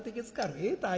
ええ？